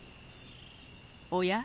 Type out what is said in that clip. おや？